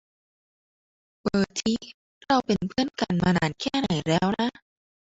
เบอร์ทิ เราเป็นเพือนกันมานานแค่ไหนแล้วนะ ?